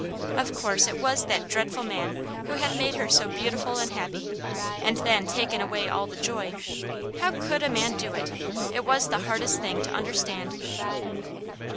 Of course it was that dreadful man, who had made her so beautiful and happy, and then taken away all the joy; how COULD a man do it? It was the hardest thing to understand.